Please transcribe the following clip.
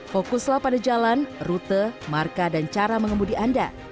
fokuslah pada jalan rute marka dan cara mengemudi anda